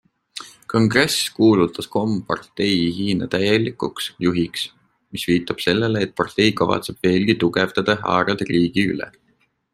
Kongress kuulutas kompartei Hiina täielikuks juhiks, mis viitab sellele, et partei kavatseb veelgi tugevdada haaret riigi üle.